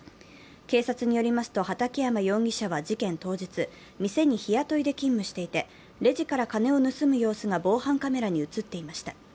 警察によりますと畠山容疑者は事件当日、店に日雇いで勤務していて、レジから金を盗む様子が防犯カメラに映っていました。